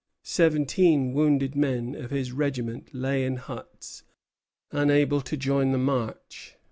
Seventeen wounded men of his regiment lay in huts, unable to join the march.